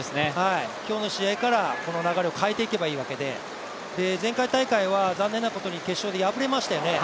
今日の試合からこの流れを変えていけばいいわけで前回大会は残念なことに決勝で敗れましたよね。